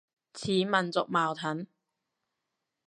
似民族矛盾